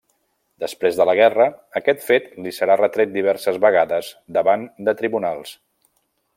Després de la guerra, aquest fet li serà retret diverses vegades davant de tribunals.